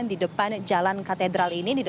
di depan jalan katedral ini